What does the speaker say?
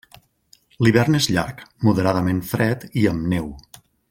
L'hivern és llarg, moderadament fred i amb neu.